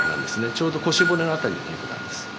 ちょうど腰骨の辺りのお肉なんです。